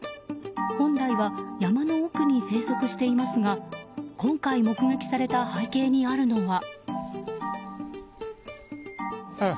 本来は山の奥に生息していますが今回目撃された背景にあるのは。